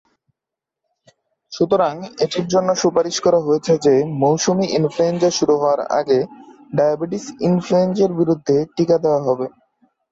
সুতরাং, এটির জন্য সুপারিশ করা হয়েছে যে মৌসুমী ইনফ্লুয়েঞ্জা শুরু হওয়ার আগে ডায়াবেটিস ইনফ্লুয়েঞ্জার বিরুদ্ধে টিকা দেওয়া হবে।